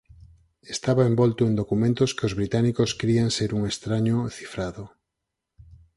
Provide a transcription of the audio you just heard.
Estaba envolto en documentos que os británicos crían ser un estraño cifrado.